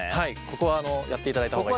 ここはやっていただいた方が。